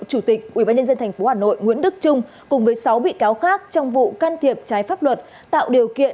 chủ tịch ubnd tp hà nội nguyễn đức trung cùng với sáu bị cáo khác trong vụ can thiệp trái pháp luật tạo điều kiện